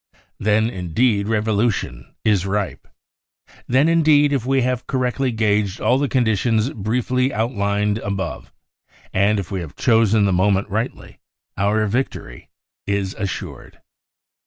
Then, indeed, revolution is ripe ; then, indeed, if we have qorrectly gauged all the conditions briefly outlined above, and if we have chosen the moment rightly, our victory is assured.